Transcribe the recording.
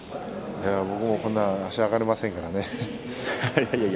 僕もこんなに足は上がりませんからね。